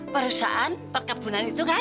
perusahaan perkebunan itu kan